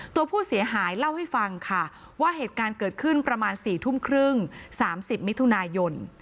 ตัวผู้เสียหายเล่าให้ฟังค่ะว่าเหตุการณ์เกิดขึ้นประมาณ๔ทุ่มครึ่ง๓๐มิถุนายน